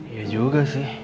iya juga sih